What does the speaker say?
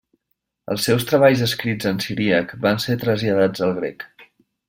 Els seus treballs escrits en siríac, van ser traslladats al grec.